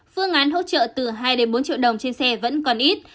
phương án hỗ trợ từ hai đến bốn triệu đồng trên xe vẫn còn ít